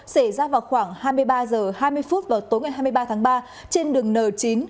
xảy ra vào khoảng hai mươi ba h hai mươi vào tối ngày hai mươi ba tháng ba trên đường n chín